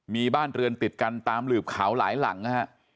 มีบ้านเรือนติดกันตามหลืบเขาหลายหลังนะฮะ